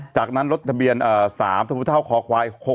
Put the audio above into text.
จากนั้นรถทะเบียน๓ธขค